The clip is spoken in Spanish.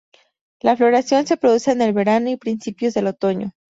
La floración se produce en el verano y principios del otoño.